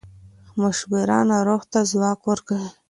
مشوره ناروغ ته ځواک ورکوي.